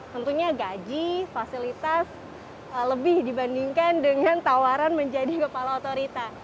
tentunya gaji fasilitas lebih dibandingkan dengan tawaran menjadi kepala otorita